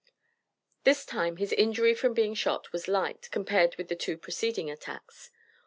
This time his injury from being shot was light, compared with the two preceding attacks.